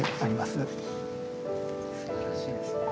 すばらしいですね。